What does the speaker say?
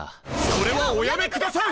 それはおやめください！